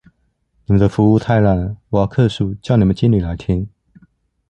你們的服務太爛了，我要客訴，叫你們經理來聽。